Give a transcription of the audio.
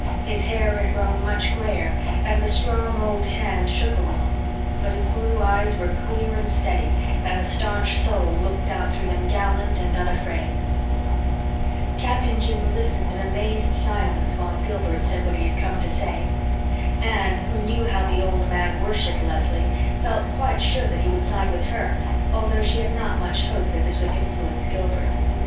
His hair had grown much grayer, and the strong old hand shook a little. But his blue eyes were clear and steady, and the staunch soul looked out through them gallant and unafraid. Captain Jim listened in amazed silence while Gilbert said what he had come to say. Anne, who knew how the old man worshipped Leslie, felt quite sure that he would side with her, although she had not much hope that this would influence Gilbert.